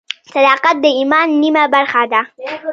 صداقت د ایمان نیمه برخه ده.